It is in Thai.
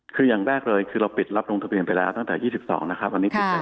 คืออย่างแรกเลยคือเราปิดรับลงทะเบียนไปแล้วตั้งแต่๒๒นะครับวันนี้ปิดไปแล้ว